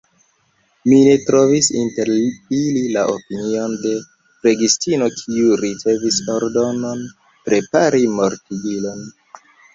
Mi ne trovis inter ili la opinion de flegistino, kiu ricevis ordonon prepari mortigilon.